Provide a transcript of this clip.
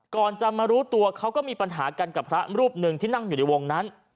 ก่อนจะมารู้ตัวเขาก็มีปัญหากันกับพระรูปหนึ่งที่นั่งอยู่ในวงนั้น